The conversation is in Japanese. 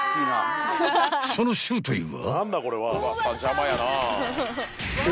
［その正体は？］